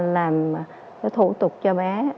làm thủ tục cho bé